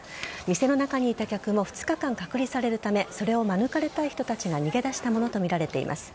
店の中にいた客も２日間隔離されるためそれを免れたい人たちが逃げ出したものとみられています。